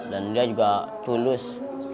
dan dia juga tulus